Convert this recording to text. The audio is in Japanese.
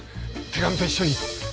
手紙と一緒に。